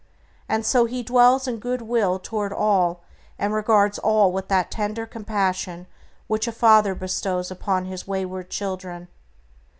And so he dwells in goodwill toward all, and regards all with that tender compassion which a father bestows upon his wayward children.